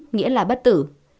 nghĩa là bất tử